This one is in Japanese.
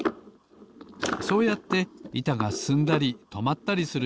そうやっていたがすすんだりとまったりする